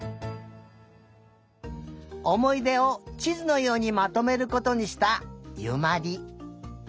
おもいでをちずのようにまとめることにしたゆまり。